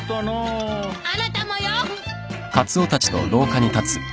あなたもよ！